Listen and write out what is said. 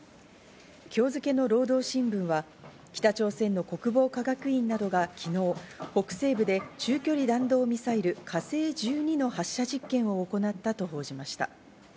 今日付の労働新聞は北朝鮮の国防科学院などが昨日、北西部で中距離弾道ミサイル、火星１２の発射実験を行ったと報じました。